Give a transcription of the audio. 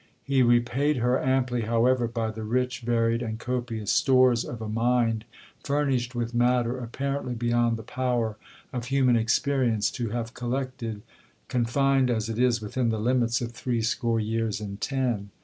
He repayed her amply, however, by the rich, varied, and copious stores of a mind, furnished with matter apparently beyond the power of human experience to have collected, confined, as it is, within the limits of threescore years and ten.